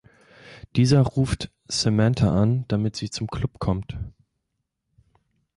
Dieser ruft Samantha an, damit sie zum Club kommt.